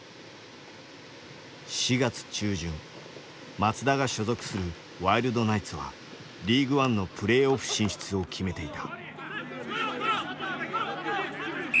松田が所属するワイルドナイツはリーグワンのプレーオフ進出を決めていた。